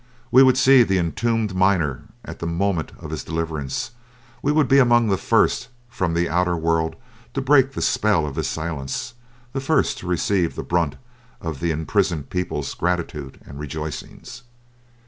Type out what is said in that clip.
We would see the entombed miner at the moment of his deliverance, we would be among the first from the outer world to break the spell of his silence; the first to receive the brunt of the imprisoned people's gratitude and rejoicings.